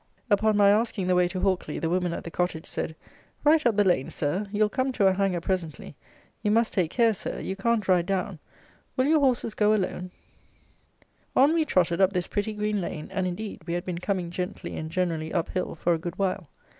Upon my asking the way to Hawkley, the woman at the cottage said, "Right up the lane, Sir: you'll come to a hanger presently: you must take care, Sir: you can't ride down: will your horses go alone?" On we trotted up this pretty green lane; and indeed, we had been coming gently and generally up hill for a good while.